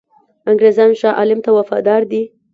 انګرېزان شاه عالم ته وفادار دي.